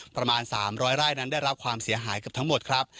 ประมาณ๓๐๐ไร่นั้นได้รับความเสียหายเกือบทั้งหมดครับ